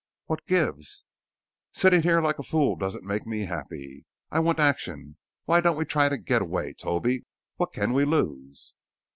"What gives?" "Sitting here like a fool doesn't make me happy. I want action. Why don't we try to get away, Toby. What can we lose?"